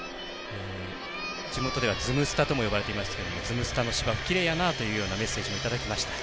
地元ではズムスタとも言われていますけれどもズムスタの芝生きれいやなというメッセージもいただきました。